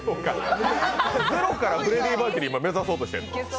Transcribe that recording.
ゼロからフレディ・マーキュリー目指そうとしてんの？